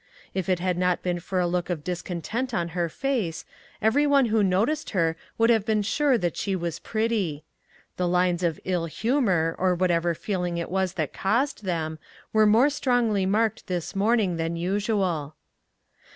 If it had not been for a look of discontent on her face, every one who noticed her would have been sure that she was pretty. The lines of ill humor, or whatever feeling it was that caused them, were more strongly marked this morning than usual.